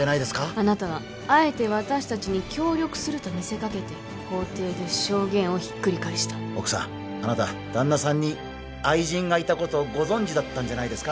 あなたはあえて私達に協力すると見せかけて法廷で証言をひっくり返した奥さんあなた旦那さんに愛人がいたことをご存じだったんじゃないですか？